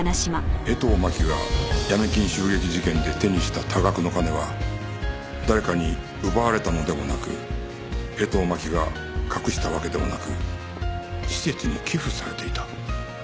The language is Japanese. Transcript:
江藤真紀が闇金襲撃事件で手にした多額の金は誰かに奪われたのでもなく江藤真紀が隠したわけでもなく施設に寄付されていた